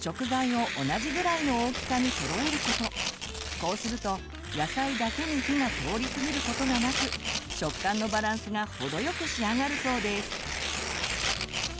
こうすると野菜だけに火が通り過ぎることがなく食感のバランスが程よく仕上がるそうです。